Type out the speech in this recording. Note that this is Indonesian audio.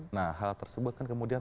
nah hal tersebut kan kemudian